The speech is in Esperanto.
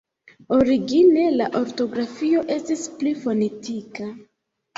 Origine, la ortografio estis pli fonetika.